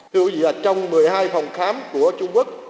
thưa quý vị trong một mươi hai phòng khám của trung quốc